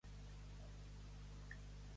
Els diners, per bruts que siguin, no embruten.